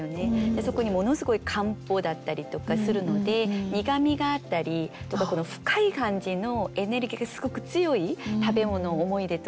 そこにものすごい漢方だったりとかするので苦みがあったりとか深い感じのエネルギーがすごく強い食べ物を思い出として持ってますね。